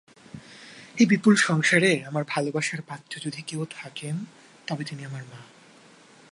এই বিপুল সংসারে আমার ভালবাসার পাত্র যদি কেহ থাকেন, তবে তিনি আমার মা।